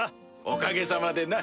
おかげさまでな。